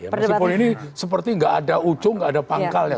meskipun ini seperti nggak ada ujung nggak ada pangkalnya